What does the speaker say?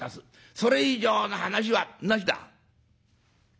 それ以上の話はなしだ」。